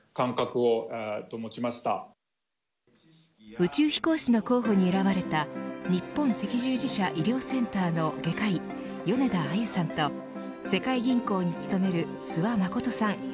宇宙飛行士の候補に選ばれた日本赤十字社医療センターの外科医米田あゆさんと世界銀行に勤める諏訪理さん。